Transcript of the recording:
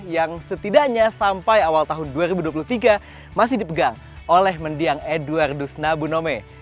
yang setidaknya sampai awal tahun dua ribu dua puluh tiga masih dipegang oleh mendiang edwardus nabunome